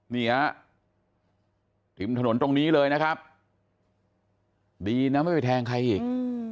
นี่ฮะทิมถนนตรงนี้เลยนะครับดีนะไม่ไปแทงใครอีก